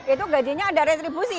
itu gajinya ada retribusi